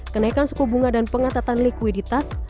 kenaikan suku bunga dan pengatatan likuiditas